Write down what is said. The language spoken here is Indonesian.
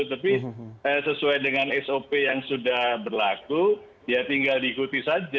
tapi sesuai dengan sop yang sudah berlaku ya tinggal diikuti saja